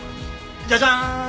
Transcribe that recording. じゃじゃーん！